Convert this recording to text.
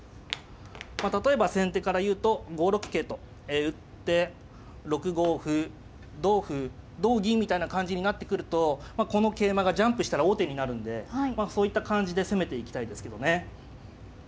まあ例えば先手から言うと５六桂と打って６五歩同歩同銀みたいな感じになってくるとこの桂馬がジャンプしたら王手になるんでそういった感じで攻めていきたいですけどね。